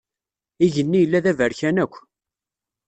Igenni yella d aberkan akk.